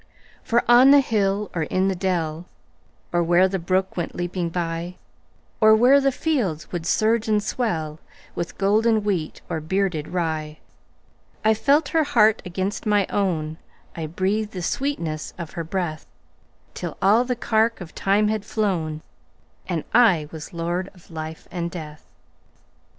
For on the hill or in the dell, Or where the brook went leaping byOr where the fields would surge and swellWith golden wheat or bearded rye,I felt her heart against my own,I breathed the sweetness of her breath, Till all the cark of time had flown, And I was lord of life and death.